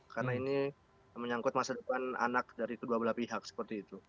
karena ini menyangkut masa depan anak dari kedua belah pihak seperti itu